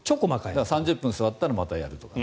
３０分座ったらまたやるとかね。